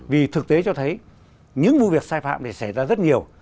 vì thực tế cho thấy những vụ việc sai phạm này xảy ra rất nhiều